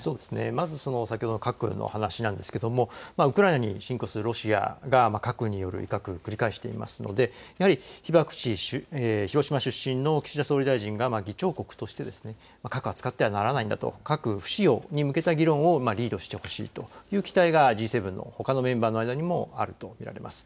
まず、先ほどの核の話なんですけれども、ウクライナに侵攻するロシアが核による威嚇を繰り返していますので、やはり被爆地、広島出身の岸田総理大臣が議長国として核は使ってはならないんだと、核不使用を呼びかける議論をリードしてほしいという期待がＧ７のほかのメンバーの間にもあると見られます。